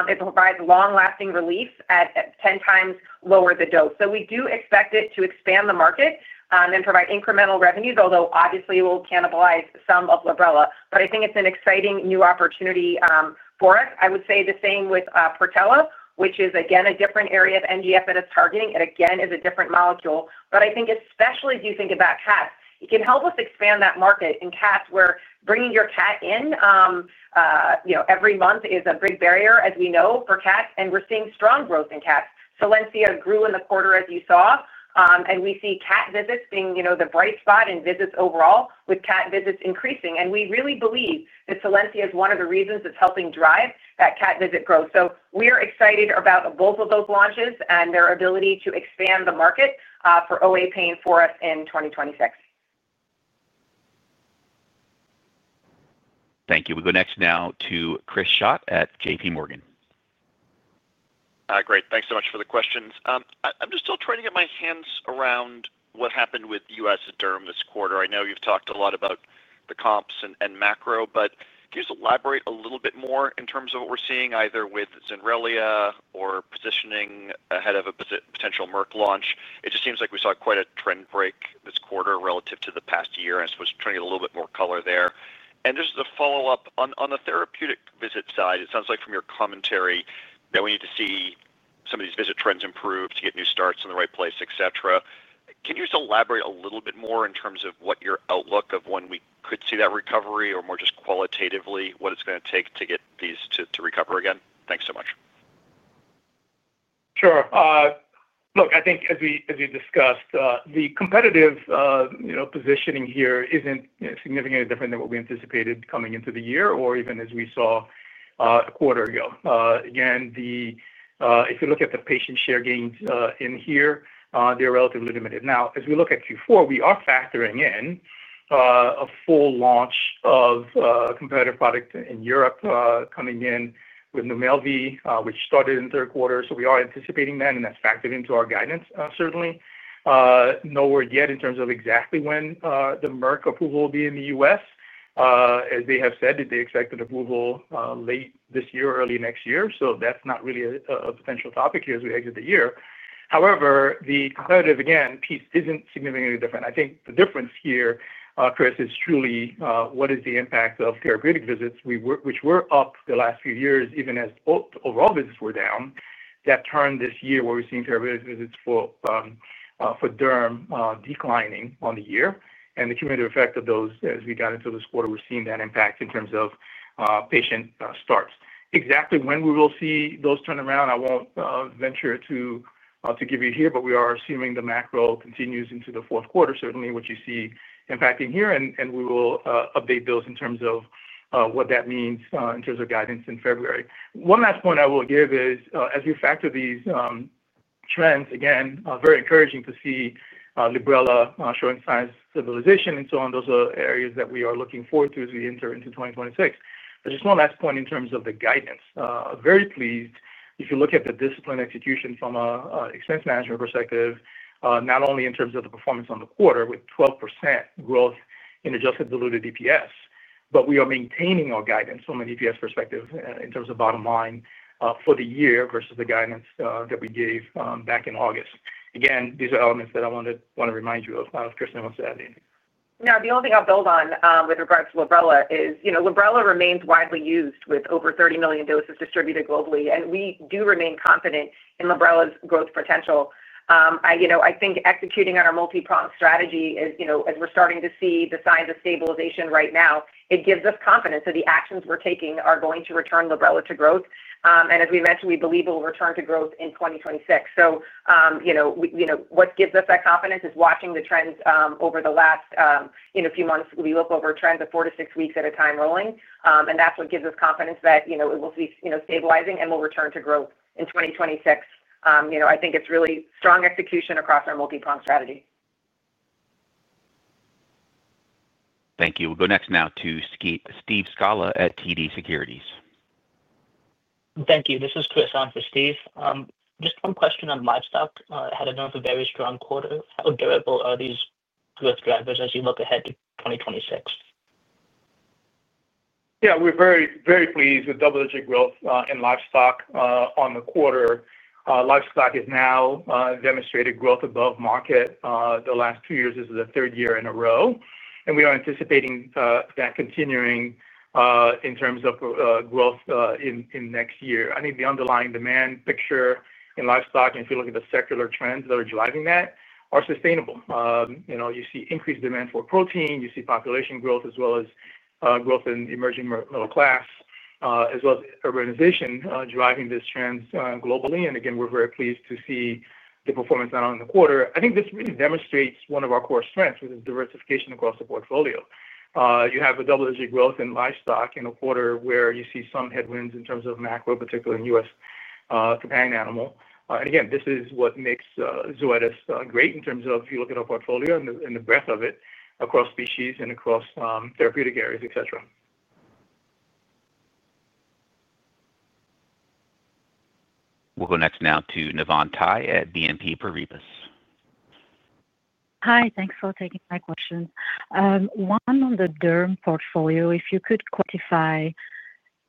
It provides long-lasting relief at 10 times lower the dose. So we do expect it to expand the market and provide incremental revenues, although obviously it will cannibalize some of Librela. But I think it's an exciting new opportunity for us. I would say the same with Portela, which is, again, a different area of NGF that it's targeting. It again is a different molecule. But I think especially as you think about cats, it can help us expand that market in cats where bringing your cat in. Every month is a big barrier, as we know, for cats. And we're seeing strong growth in cats. Solensia grew in the quarter, as you saw. And we see cat visits being the bright spot in visits overall, with cat visits increasing. And we really believe that Solensia is one of the reasons that's helping drive that cat visit growth. So we are excited about both of those launches and their ability to expand the market for OA pain for us in 2026. Thank you. We'll go next now to Kris Schott at J.P. Morgan. Great. Thanks so much for the questions. I'm just still trying to get my hands around what happened with U.S. and derm this quarter. I know you've talked a lot about the comps and macro, but can you elaborate a little bit more in terms of what we're seeing, either with Zenrelia or positioning ahead of a potential Merck launch? It just seems like we saw quite a trend break this quarter relative to the past year, and I suppose trying to get a little bit more color there. And just to follow up on the therapeutic visit side, it sounds like from your commentary that we need to see some of these visit trends improve to get new starts in the right place, et cetera. Can you just elaborate a little bit more in terms of what your outlook of when we could see that recovery, or more just qualitatively, what it's going to take to get these to recover again? Thanks so much. Sure. Look, I think, as we discussed, the competitive positioning here isn't significantly different than what we anticipated coming into the year or even as we saw a quarter ago. Again. If you look at the patient share gains in here, they're relatively limited. Now, as we look at Q4, we are factoring in a full launch of a competitive product in Europe coming in with Numelvi, which started in the third quarter. So we are anticipating that, and that's factored into our guidance, certainly. Nowhere yet in terms of exactly when the Merck approval will be in the U.S.. As they have said, they expect an approval late this year or early next year. So that's not really a potential topic here as we exit the year. However, the competitive, again, piece isn't significantly different. I think the difference here, Kris, is truly what is the impact of therapeutic visits, which were up the last few years, even as overall visits were down. That turned this year where we're seeing therapeutic visits for derm declining on the year. And the cumulative effect of those, as we got into this quarter, we're seeing that impact in terms of patient starts. Exactly when we will see those turn around, I won't venture to give you here, but we are assuming the macro continues into the fourth quarter, certainly, which you see impacting here. And we will update those in terms of what that means in terms of guidance in February. One last point I will give is, as we factor these trends, again, very encouraging to see Librela showing signs of stabilization and so on. Those are areas that we are looking forward to as we enter into 2026. There's just one last point in terms of the guidance. Very pleased, if you look at the discipline execution from an expense management perspective, not only in terms of the performance on the quarter with 12% growth in adjusted diluted EPS, but we are maintaining our guidance from an EPS perspective in terms of bottom line for the year versus the guidance that we gave back in August. Again, these are elements that I want to remind you of Kris and I want to add in. No, the only thing I'll build on with regards to Librela is Librela remains widely used with over 30 million doses distributed globally, and we do remain confident in Librela's growth potential. I think executing on our multi-pronged strategy, as we're starting to see the signs of stabilization right now, it gives us confidence that the actions we're taking are going to return Librela to growth. And as we mentioned, we believe it will return to growth in 2026. So what gives us that confidence is watching the trends over the last few months. We look over trends of four to six weeks at a time rolling, and that's what gives us confidence that it will be stabilizing and will return to growth in 2026. I think it's really strong execution across our multi-pronged strategy. Thank you. We'll go next now to Steve Scala at TD Securities. Thank you. This is Kris on for Steve. Just one question on livestock. I had a note of a very strong quarter. How durable are these growth drivers as you look ahead to 2026? Yeah, we're very pleased with double-digit growth in livestock on the quarter. Livestock has now demonstrated growth above market the last two years. This is the third year in a row. And we are anticipating that continuing in terms of growth in next year. I think the underlying demand picture in livestock, and if you look at the secular trends that are driving that, are sustainable. You see increased demand for protein. You see population growth, as well as growth in emerging middle class, as well as urbanization driving this trend globally. We're very pleased to see the performance out on the quarter. I think this really demonstrates one of our core strengths, which is diversification across the portfolio. You have a double-digit growth in livestock in a quarter where you see some headwinds in terms of macro, particularly in U.S. Companion animal. This is what makes Zoetis great in terms of, if you look at our portfolio and the breadth of it across species and across therapeutic areas, et cetera. We'll go next now to Navann Ty at BNP Paribas. Hi, thanks for taking my question. One on the derm portfolio, if you could quantify.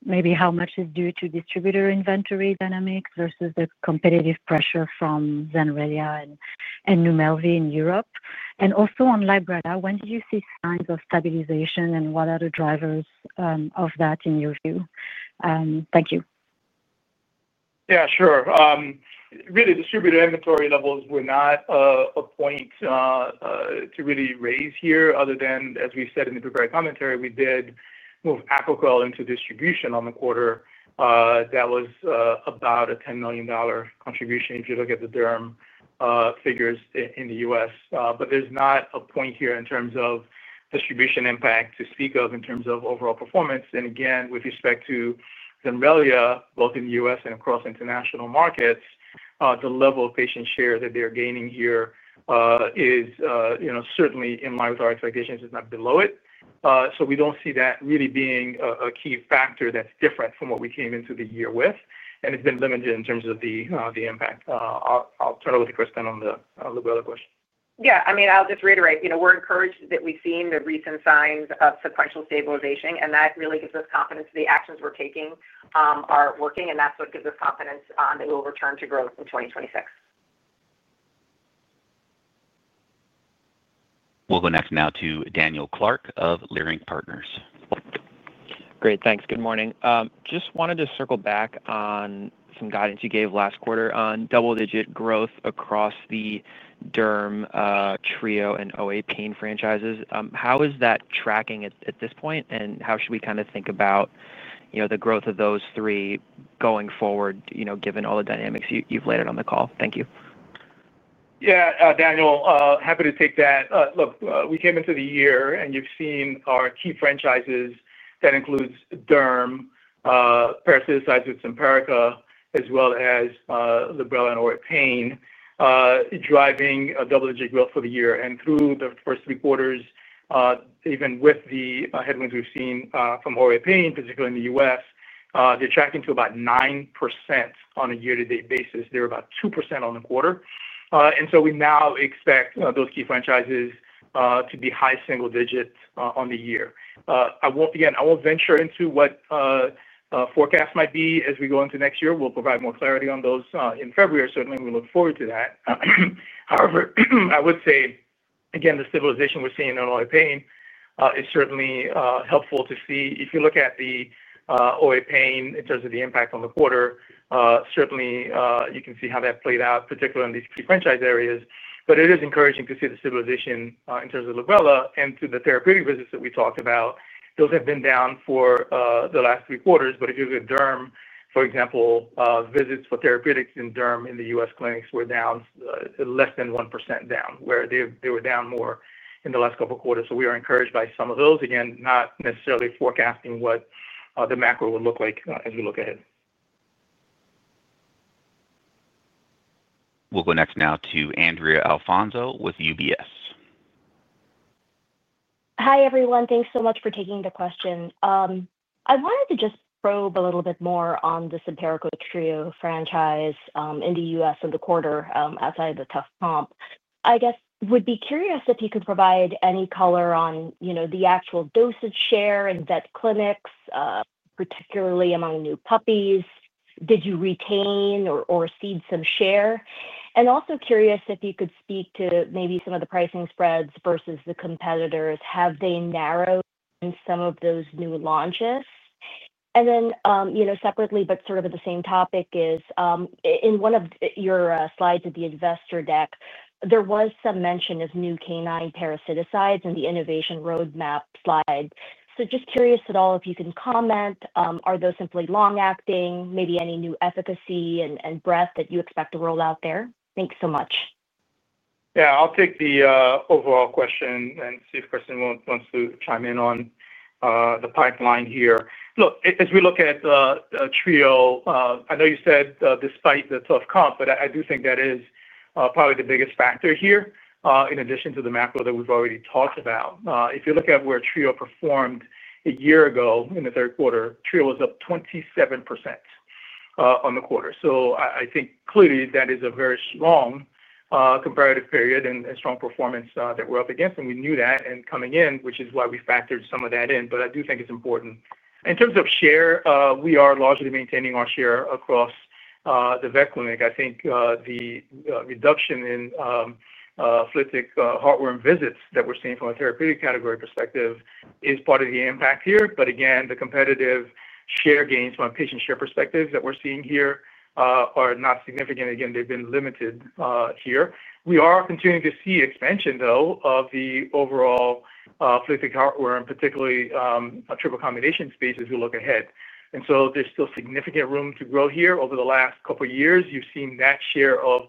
Maybe how much is due to distributor inventory dynamics versus the competitive pressure from Zenrelia and Numelvi in Europe. And also on Librela, when do you see signs of stabilization, and what are the drivers of that in your view? Thank you. Yeah, sure. Really, distributor inventory levels were not a point. To really raise here, other than, as we said in the prepared commentary, we did move Apoquel into distribution on the quarter. That was about a $10 million contribution if you look at the derm figures in the U.S. But there's not a point here in terms of distribution impact to speak of in terms of overall performance. With respect to Zenrelia, both in the U.S. and across international markets, the level of patient share that they're gaining here. Is certainly in line with our expectations. It's not below it. We don't see that really being a key factor that's different from what we came into the year with. It's been limited in terms of the impact. I'll turn it over to Kris then on the Librela question. Yeah, I mean, I'll just reiterate. We're encouraged that we've seen the recent signs of sequential stabilization, and that really gives us confidence that the actions we're taking are working. That's what gives us confidence that we'll return to growth in 2026. We'll go next now to Daniel Clark of Leerink Partners. Great, thanks. Good morning. Just wanted to circle back on some guidance you gave last quarter on double-digit growth across the. Derm trio and OA pain franchises. How is that tracking at this point, and how should we kind of think about. The growth of those three going forward, given all the dynamics you've laid out on the call? Thank you. Yeah, Daniel, happy to take that. Look, we came into the year, and you've seen our key franchises that includes derm. Parasiticides, Simparica, as well as. Librela and OA pain. Driving double-digit growth for the year. Through the first three quarters, even with the headwinds we've seen from OA pain, particularly in the U.S., they're tracking to about 9% on a year-to-date basis. They're about 2% on the quarter. And so we now expect those key franchises to be high single-digit on the year. Again, I won't venture into what forecast might be as we go into next year. We'll provide more clarity on those in February. Certainly, we look forward to that. However, I would say, again, the stabilization we're seeing in OA pain is certainly helpful to see. If you look at the OA pain in terms of the impact on the quarter, certainly you can see how that played out, particularly in these key franchise areas. But it is encouraging to see the stabilization in terms of Librela and through the therapeutic visits that we talked about. Those have been down for the last three quarters. But if you look at derm, for example, visits for therapeutics in derm in the U.S. clinics were down less than 1% down, where they were down more in the last couple of quarters. So we are encouraged by some of those. Again, not necessarily forecasting what the macro will look like as we look ahead. We'll go next now to Andrea Alfonso with UBS. Hi, everyone. Thanks so much for taking the question. I wanted to just probe a little bit more on the Simparica Trio franchise in the U.S. in the quarter outside of the tough comp. I guess would be curious if you could provide any color on the actual dosage share in vet clinics. Particularly among new puppies. Did you retain or seed some share? And also curious if you could speak to maybe some of the pricing spreads versus the competitors. Have they narrowed in some of those new launches? And then separately, but sort of at the same topic, is in one of your slides of the investor deck, there was some mention of new canine parasiticides in the innovation roadmap slide. So just curious at all if you can comment, are those simply long-acting, maybe any new efficacy and breadth that you expect to roll out there? Thanks so much. Yeah, I'll take the overall question and see if Kris wants to chime in on the pipeline here. Look, as we look at the trio, I know you said despite the tough comp, but I do think that is probably the biggest factor here in addition to the macro that we've already talked about. If you look at where trio performed a year ago in the third quarter, trio was up 27% on the quarter. So I think clearly that is a very strong comparative period and strong performance that we're up against. And we knew that in coming in, which is why we factored some of that in. But I do think it's important. In terms of share, we are largely maintaining our share across the vet clinic. I think the reduction in flea-tick heartworm visits that we're seeing from a therapeutic category perspective is part of the impact here. But again, the competitive share gains from a patient share perspective that we're seeing here are not significant. Again, they've been limited here. We are continuing to see expansion, though, of the overall flea, tick, heartworm, particularly triple combination space as we look ahead. And so there's still significant room to grow here. Over the last couple of years, you've seen that share of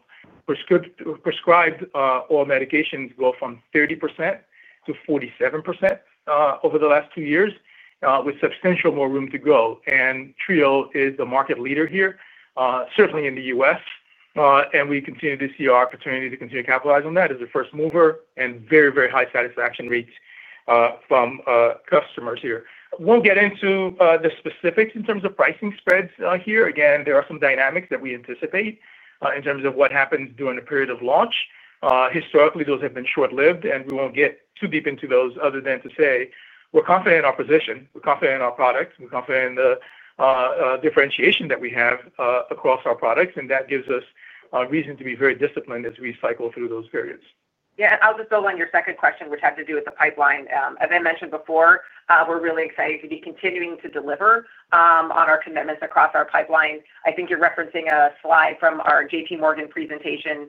prescribed oral medications go from 30% to 47% over the last two years, with substantial more room to grow. And trio is the market leader here, certainly in the U.S.. And we continue to see our opportunity to continue to capitalize on that as a first mover and very, very high satisfaction rates from customers here. We'll get into the specifics in terms of pricing spreads here. Again, there are some dynamics that we anticipate in terms of what happens during the period of launch. Historically, those have been short-lived, and we won't get too deep into those other than to say we're confident in our position. We're confident in our product. We're confident in the differentiation that we have across our products. And that gives us reason to be very disciplined as we cycle through those periods. Yeah, I'll just build on your second question, which had to do with the pipeline. As I mentioned before, we're really excited to be continuing to deliver on our commitments across our pipeline. I think you're referencing a slide from our J.P. Morgan presentation.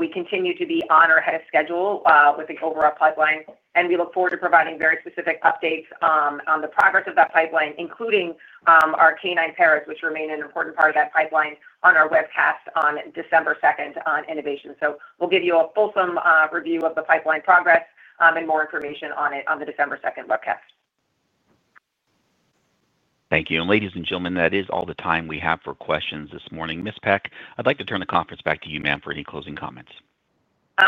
We continue to be ahead of schedule with the overall pipeline. And we look forward to providing very specific updates on the progress of that pipeline, including our canine parasiticide, which remain an important part of that pipeline, on our webcast on December 2nd on innovation. So we'll give you a fulsome review of the pipeline progress and more information on it on the December 2nd webcast. Thank you. And ladies and gentlemen, that is all the time we have for questions this morning. Ms. Peck, I'd like to turn the conference back to you, ma'am, for any closing comments.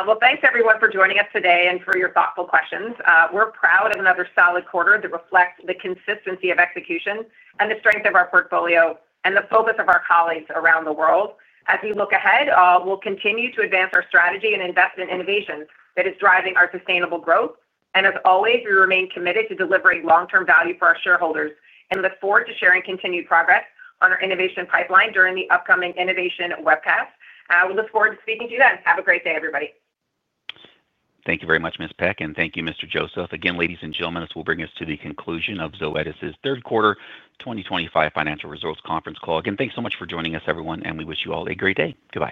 Well, thanks, everyone, for joining us today and for your thoughtful questions. We're proud of another solid quarter that reflects the consistency of execution and the strength of our portfolio and the focus of our colleagues around the world. As we look ahead, we'll continue to advance our strategy and invest in innovation that is driving our sustainable growth. And as always, we remain committed to delivering long-term value for our shareholders and look forward to sharing continued progress on our innovation pipeline during the upcoming innovation webcast. We look forward to speaking to you then. Have a great day, everybody. Thank you very much, Ms. Peck, and thank you, Mr. Joseph. Again, ladies and gentlemen, this will bring us to the conclusion of Zoetis's third quarter 2025 financial results conference call. Again, thanks so much for joining us, everyone, and we wish you all a great day. Goodbye.